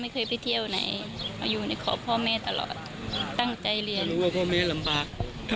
เขาบอกว่ามีโดยลำบาก